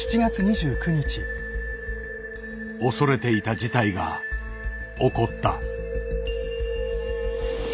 恐れていた事態が起こった。